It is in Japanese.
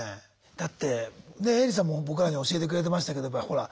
だってねえエリさんも僕らに教えてくれてましたけどほら